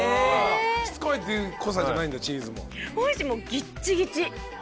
しつこいっていう濃さじゃないんだチーズも。